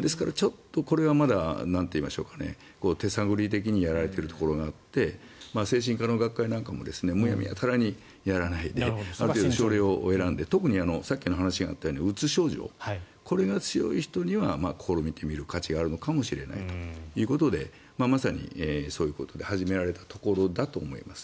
ですから、ちょっとこれはまだ手探り的にやられているところがあって精神科の学会なんかもむやみやたらにやらないで慎重にやって特にさっきのお話にあったようにうつ症状、これが強い人には試みてみる価値があるかもしれないということでまさにそういうことで始められたところだと思います。